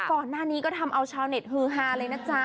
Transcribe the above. ก่อนหน้านี้ก็ทำเอาชาวเน็ตฮือฮาเลยนะจ๊ะ